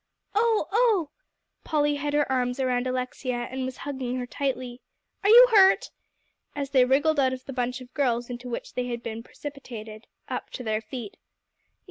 "Oh, oh!" Polly had her arms around Alexia and was hugging her tightly. "Are you hurt?" as they wriggled out of the bunch of girls into which they had been precipitated, up to their feet.